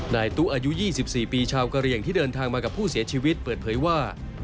นายตู้อายุ๒๔ปีชาวกะเหลี่ยงที่เดินทางมากับผู้เสียชีวิตเปิดเผยว่า